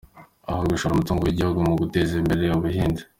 Aho gushora umutungo w’Igihugu mu guteza imbere Ubuhinzi;